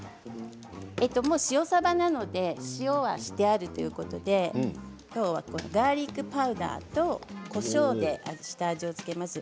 もう、塩さばなので塩はしてあるということできょうはガーリックパウダーとこしょうで下味を付けます。